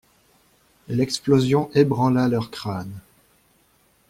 L'explosion ébranla leurs crânes.